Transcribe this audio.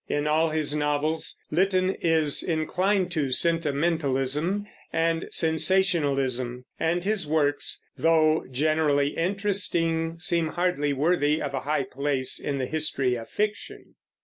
In all his novels Lytton is inclined to sentimentalism and sensationalism, and his works, though generally interesting, seem hardly worthy of a high place in the history of fiction.